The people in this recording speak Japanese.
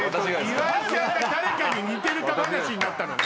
岩井ちゃんが誰かに似てるか話になったのね。